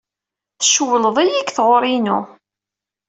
Tcewwled-iyi deg tɣuri-inu.